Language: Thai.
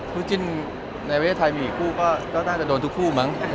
คู่จิ้นในเวลาไทยมีอีกคู่ก็ต้องกระโดนทุกคู่มั้ง